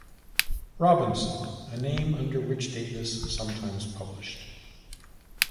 Robinson, a name under which Davis sometimes published.